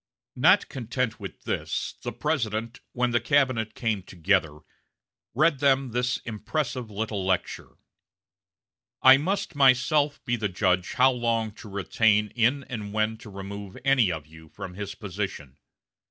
Not content with this, the President, when the cabinet came together, read them this impressive little lecture: "I must myself be the judge how long to retain in and when to remove any of you from his position.